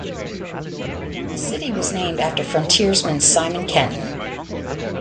The city was named after frontiersman Simon Kenton.